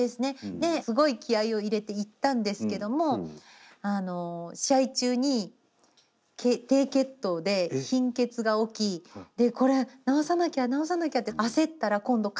ですごい気合いを入れていったんですけども試合中に低血糖で貧血が起き「これ治さなきゃ治さなきゃ」って焦ったら今度過呼吸になってしまって。